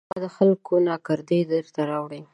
ما د خلکو ناکردې درته راوړي